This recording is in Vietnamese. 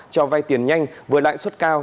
cho vai tiền nhanh với lãi suất cao